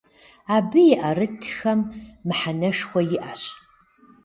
Абы и ӏэрытххэм мыхьэнэшхуэ иӏэщ.